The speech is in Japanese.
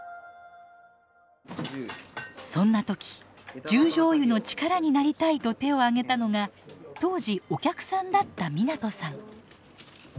そんな時「十條湯の力になりたい」と手を挙げたのが当時お客さんだった湊さん。